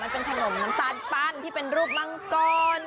เป็นขนมน้ำตาลปั้นที่เป็นรูปมังกร